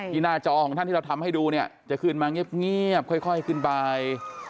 หน้าจอของท่านที่เราทำให้ดูเนี่ยจะขึ้นมาเงียบค่อยขึ้นไป